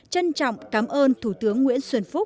trân trọng cảm ơn thủ tướng nguyễn xuân phúc